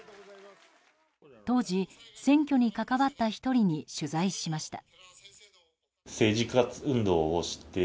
当時、選挙に関わった１人に取材しました。